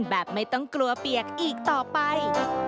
แบบไม่ต้องกลัวเปียกอีกต่อไป